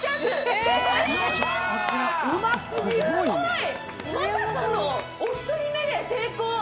すごい、まさかのお一人目で成功！